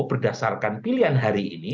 berdasarkan pilihan hari ini